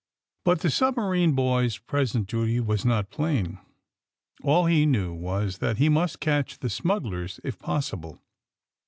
But the submarine boy's present duty was not plain. All he knew was that he must catch the smugglers, if possible.